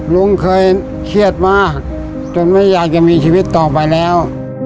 ลุงเคยเครียดมากจนไม่อยากจะมีชีวิตต่อไปแล้ว